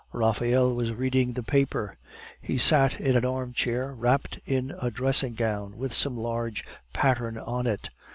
Raphael was reading the paper. He sat in an armchair wrapped in a dressing gown with some large pattern on it.